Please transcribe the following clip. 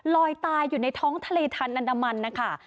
ลอยตายอยู่ในท้องทะเลทันอันดามันนะคะ